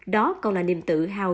đó còn là niềm tự hào